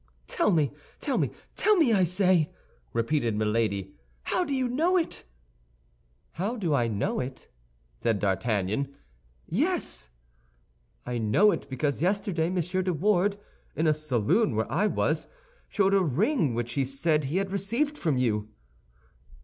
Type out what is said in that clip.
"Tell me, tell me, tell me, I say," repeated Milady, "how do you know it?" "How do I know it?" said D'Artagnan. "Yes." "I know it because yesterday Monsieur de Wardes, in a saloon where I was, showed a ring which he said he had received from you."